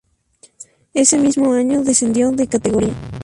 Ese mismo año descendió de categoría.